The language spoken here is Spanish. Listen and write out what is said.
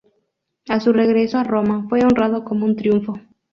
A su regreso a Roma, fue honrado con un triunfo.